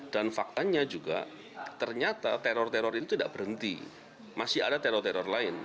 dan faktanya juga ternyata teror teror ini tidak berhenti masih ada teror teror lain